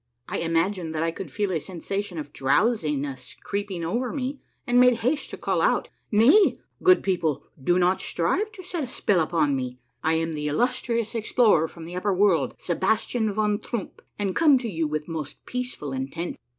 I imagined that I could feel a sensation of drowsiness creep ing over me and made haste to call out: — "Nay, good people, do not strive to set a spell upon me. I am the illustrious explorer from the upper world, — Sebastian von Troomp, — and come to you with most peaceful intent."